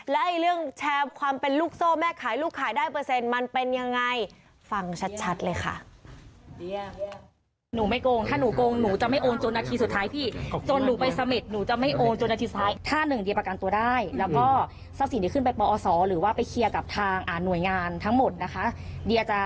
และเรื่องแชร์ความเป็นลูกโซ่แม่ขายลูกขายได้เปอร์เซ็นต์มันเป็นยังไงฟังชัดเลยค่ะ